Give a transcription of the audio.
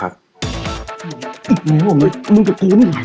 อีกแล้วอ่ะมึงกับกูไม่ไหวแล้ว